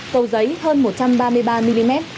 cầu giấy hơn một trăm ba mươi ba mm